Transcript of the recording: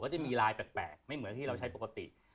จะมีลายแปลกไม่เหมือนที่เราใช้ปกติ